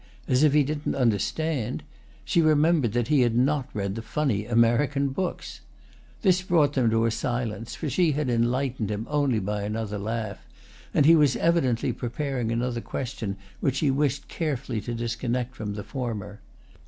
as if he didn't understand, she remembered that he had not read the funny American books. This brought them to a silence, for she had enlightened him only by another laugh, and he was evidently preparing another question, which he wished carefully to disconnect from the former.